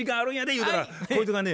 言うたらこいつがね